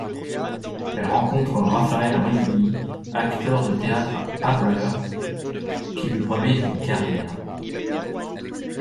Elle rencontre Raphaël Renneby, acteur de théâtre hâbleur, qui lui promet une carrière.